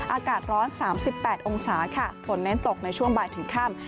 อากาศร้อน๓๘องศาค่ะฝนเน้นตกในช่วงบ่ายถึงค่ำ